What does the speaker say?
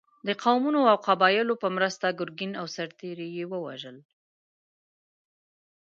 د قومونو او قبایلو په مرسته ګرګین او سرتېري یې ووژل.